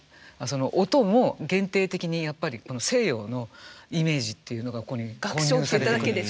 その音も限定的にやっぱり西洋のイメージっていうのがここに混入されてくる。